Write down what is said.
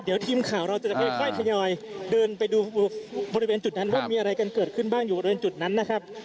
เดี๋ยวทีมข่าวเราจะค่อยทยอยเดินไปดูบริเวณจุดนั้นว่ามีอะไรกันเกิดขึ้นบ้างอยู่บริเวณจุดนั้นนะครับ